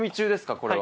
これは。